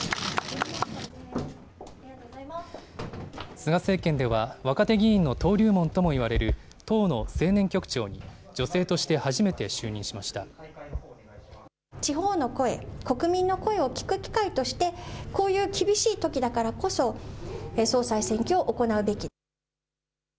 菅政権では、若手議員の登竜門ともいわれる党の青年局長に、女性として初めて地方の声、国民の声を聞く機会として、こういう厳しいときだからこそ、総裁選挙を行うべき。